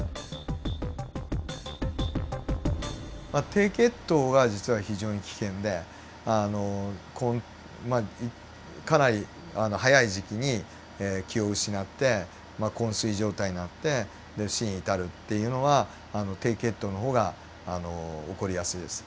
低血糖が実は非常に危険であのこうまあかなり早い時期に気を失ってこん睡状態になってで死に至るっていうのは低血糖の方が起こりやすいです。